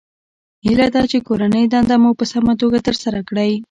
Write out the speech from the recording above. هیله ده چې کورنۍ دنده مو په سمه توګه ترسره کړئ